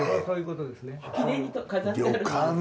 そういうことですね。